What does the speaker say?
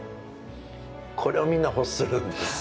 これを、みんな欲するんです。